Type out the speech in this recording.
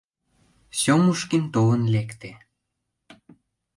Сёмушкин толын лекте.